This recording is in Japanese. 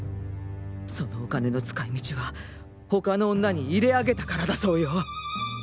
そのお金の使い道は他の女に入れあげたからだそうよ。